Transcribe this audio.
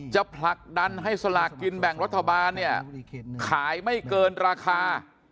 ผลักดันให้สลากกินแบ่งรัฐบาลเนี่ยขายไม่เกินราคา